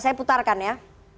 saya putarkan ya